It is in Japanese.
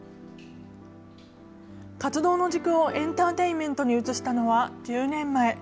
活動の軸をエンターテインメントに移したのは、１０年前。